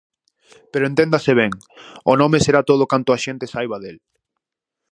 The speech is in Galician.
Pero enténdase ben: o nome será todo canto a xente saiba del.